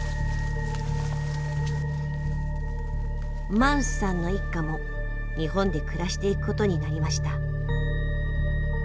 マンスさんの一家も日本で暮らしていくことになりました。